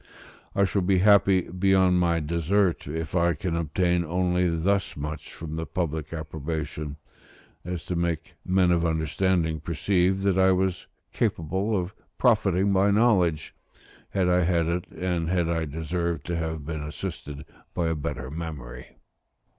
I shall be happy beyond my desert, if I can obtain only thus much from the public approbation, as to make men of understanding perceive that I was capable of profiting by knowledge, had I had it; and that I deserved to have been assisted by a better memory.